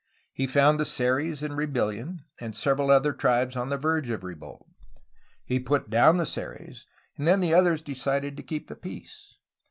He foimd the Seris in rebellion and several other tribes on the verge of revolt. He put down the Seris, and then the others decided to keep the peace.